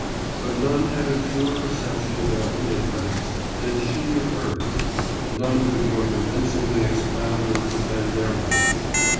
But none had a truer perception of their own interests than she of hers; none could more convincingly expound and defend their rights.